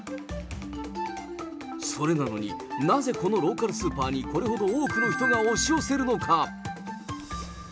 それなのに、なぜこのローカルスーパーに、これほど多くの人が押し寄せるのか。